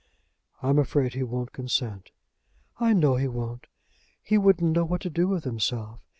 "I'm afraid he won't consent." "I know he won't. He wouldn't know what to do with himself.